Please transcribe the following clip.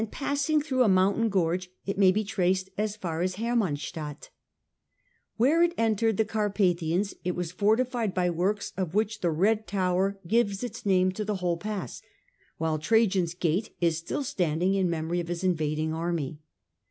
a passing tlirough a mountain gorge it may be traced as far The legions as Hermannstadt Where it entered the Car onTwSyl P^thians it was fortified by works of which vai^ by the ' Red Tower ^ gives its name to the whole ifstnous pawet, pasS| while ^ Trajan's Gate ' is still standing in memory of his invading army.